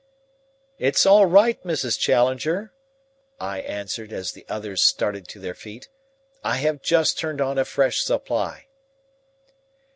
"It is all right, Mrs. Challenger," I answered as the others started to their feet. "I have just turned on a fresh supply."